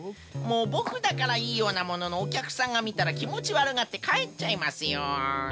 もうボクだからいいようなもののおきゃくさんがみたらきもちわるがってかえっちゃいますよ。